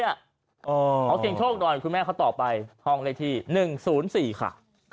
ขอเสียงโชคหน่อยคุณแม่เขาตอบไปทองเลขที่๑๐๔ค่ะ